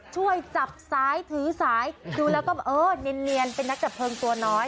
ช่วยจับซ้ายถือสายดูแล้วก็เออเนียนเป็นนักดับเพลิงตัวน้อย